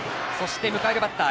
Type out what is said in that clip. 迎えるバッター